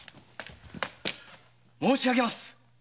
申し上げます。